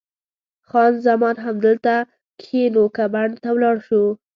خان زمان: همدلته کښېنو که بڼ ته ولاړ شو؟